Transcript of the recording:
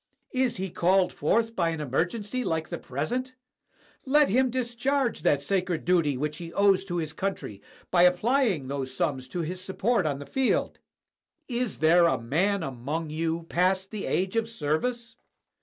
Is he called forth by an emergency like the present? Let him dis charge that sacred duty which he owes to his country, 187 GREECE by applying those sums to his support on the field. Is there a man among you past the age of service?